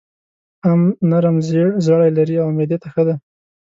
ام نرم زېړ زړي لري او معدې ته ښه ده.